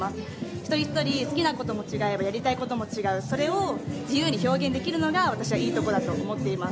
一人一人、好きなことも違えばやりたいことも違う、それを自由に表現できるのが私はいいところだと思っています。